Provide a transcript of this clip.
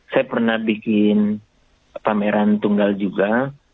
saya pernah bikin pameran tunggal juga